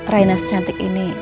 rena secantik ini